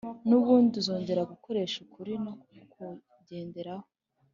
n’ubundi uzongera Gukoresha ukuri no kukugenderaho